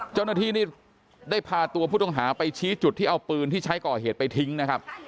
เจ้าหน้าที่นี่ได้พาตัวผู้ต้องหาไปชี้จุดที่เอาปืนที่ใช้ก่อเหตุไปทิ้งนะครับ